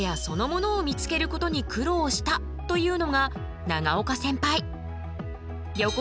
そのものを見つけることに苦労したというのが永岡センパイ。